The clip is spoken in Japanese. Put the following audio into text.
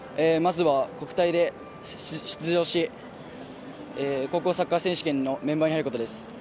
まずは国体に出場し、高校サッカー選手権のメンバーに入ることです。